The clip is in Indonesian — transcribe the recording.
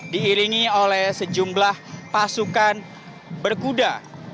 diiringi oleh sejumlah pasukan berkuda